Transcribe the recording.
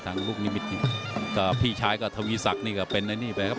ทางลูกนิมิติแล้วก็พี่ชายก็ทวีสักนี่ก็เป็นอันนี้แหละครับ